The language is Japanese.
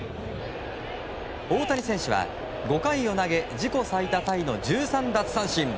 大谷選手は５回を投げ自己最多タイの１３奪三振。